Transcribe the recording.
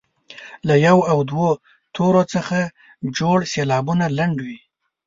له یو او دوو تورو څخه جوړ سېلابونه لنډ وي.